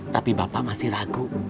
tapi bapak masih ragu